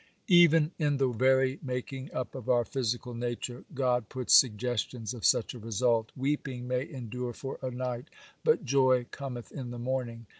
Even in the very making up of our physical nature, God puts suggestions of such a result. 'Weeping may endure for a night, but joy cometh in the morning.